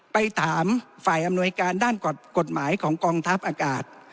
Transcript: ไปถามฝ่ายอำนวยการด้านกฎหมายของกองทัพอากาศ